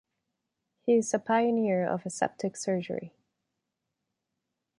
He is a pioneer of aseptic surgery.